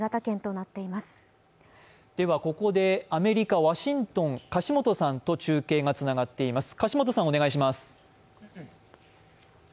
ここでアメリカ・ワシントンの樫元さんと中継がつながっています。